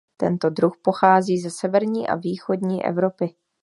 Tento druh pochází ze severní a východní Evropy.